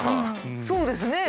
そうですね。